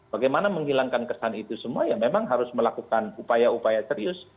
bagaimana menghilangkan kesan itu semua ya memang harus melakukan upaya upaya serius